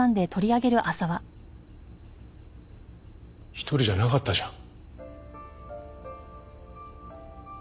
一人じゃなかったじゃん。